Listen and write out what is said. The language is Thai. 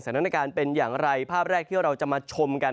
สถานการณ์เป็นอย่างไรภาพแรกที่เราจะมาชมกัน